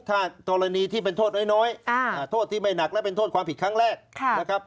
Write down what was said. ถ้ากรณีที่เป็นโทษน้อยโทษที่ไม่หนักและเป็นโทษความผิดครั้งแรกนะครับ